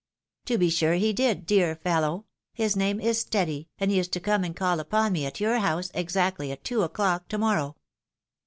" To be sure he did, dear fellow ! His name is Steady ; and he is to come and call upon me at your house exactly at two o'clock to morrow."